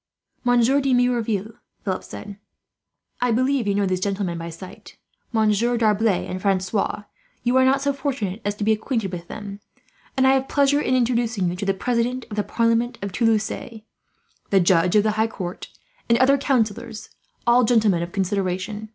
"Monsieur de Merouville," Philip said, "I believe you know these gentlemen by sight. "Monsieur D'Arblay and Francois, you are not so fortunate as to be acquainted with them; and I have pleasure in introducing to you the President of the Parliament of Toulouse, the Judge of the High Court, and other councillors, all gentlemen of consideration.